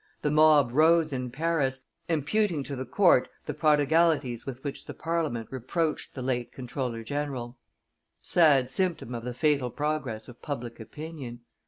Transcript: The mob rose in Paris, imputing to the court the prodigalities with which the Parliament reproached the late comptroller general. Sad symptom of the fatal progress of public opinion!